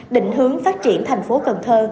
định hướng phát triển thành phố cần thơ